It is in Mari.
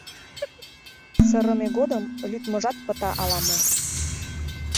Сырыме годым лӱдмыжат пыта ала-мо.